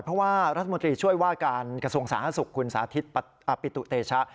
เพราะว่ารัฐมนตรีช่วยว่าการกระทรวงสาธารณสุขคุณสาธิตปิตุเตชะ